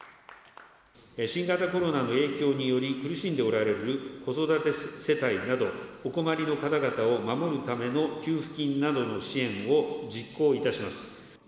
新型コロナの影響により、苦しんでおられる子育て世帯など、お困りの方々を守るための給付金などの支援を実行いたします。